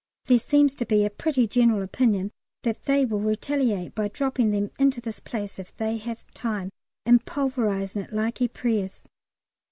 There seems to be a pretty general opinion that they will retaliate by dropping them into this place if they have time, and pulverising it like Ypres.